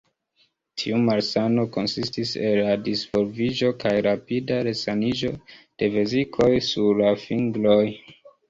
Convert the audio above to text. Tiu malsano konsistis el la disvolviĝo kaj rapida resaniĝo de vezikoj sur la fingroj.